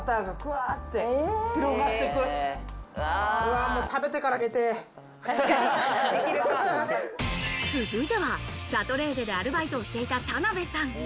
食べてから決め続いてはシャトレーゼでアルバイトをしていた田辺さん。